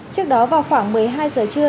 trước đó vào khoảng một mươi hai giờ trưa